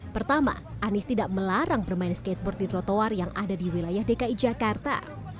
pertama anies tidak melarang bermain skateboard di trotoar yang ada di wilayah dki jakarta